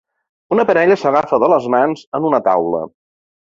Una parella s'agafa de les mans en una taula.